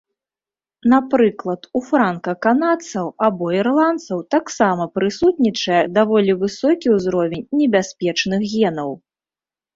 Напрыклад у франка-канадцаў або ірландцаў таксама прысутнічае даволі высокі ўзровень небяспечных генаў.